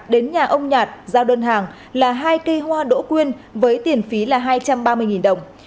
đến nhà ông nhạt giao đơn hàng là hai cây hoa đỗ quyên với tiền phí là hai trăm ba mươi đồng